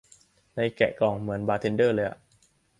ใน แกะกล่อง เหมือน บาร์เทนเดอร์ เลยอ่ะ